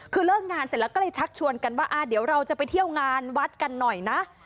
คือเลิกงานเสร็จแล้วก็เลยชักชวนกันว่าเดี๋ยวเราจะไปเที่ยวงานวัดกันหน่อยนะ